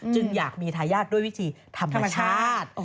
จึงอยากมีทายาทด้วยวิธีธรรมชาติ